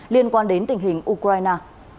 liên quan đến tình hình ukraine